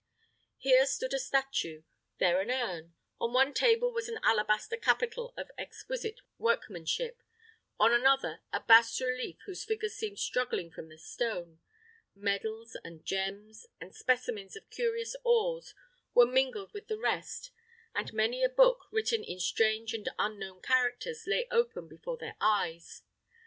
Here stood a statue, there an urn; on one table was an alabaster capital of exquisite workmanship, on another a bas relief whose figures seemed struggling from the stone; medals, and gems, and specimens of curious ores, were mingled with the rest; and many a book, written in strange and unknown characters, lay open before their eyes.